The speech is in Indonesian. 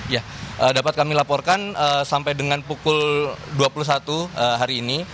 ya dapat kami laporkan sampai dengan pukul dua puluh satu hari ini